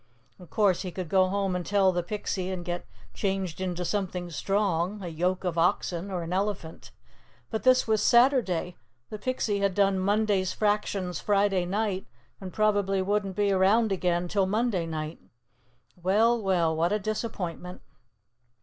Of course, he could go home and tell the Pixie and get changed into something strong, a yoke of oxen, or an elephant. But this was Saturday. The Pixie had done Monday's fractions Friday night, and probably wouldn't be around again till Monday night. Well, well, what a disappointment!